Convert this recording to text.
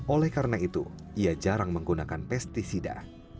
oleh karena itu ia jarang menggunakan pesticida